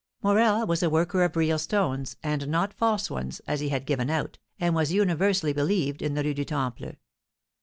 Morel was a worker of real stones, and not false ones, as he had given out, and as was universally believed, in the Rue du Temple.